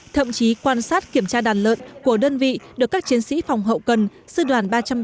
thậm chí quan sát kiểm tra đàn lợn của đơn vị được các chiến sĩ phòng hậu cần sư đoàn ba trăm ba mươi